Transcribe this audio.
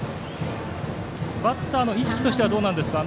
バッターの意識としてはどうなんですか。